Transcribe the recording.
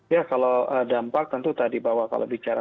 ya kalau dampak tentu tadi bahwa kalau bicara